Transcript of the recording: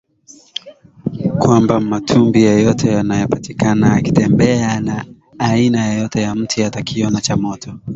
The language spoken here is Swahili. kwamba Mmatumbi yeyote anayepatikana akitembea na aina yoyote ya mti atakiona cha moto